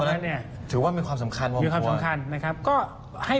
แล้วเนี่ยถือว่ามีความสำคัญมีความสำคัญนะครับก็ให้